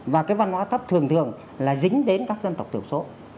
và cái văn hóa thấp thường thường là dính đến các dân tộc tiểu số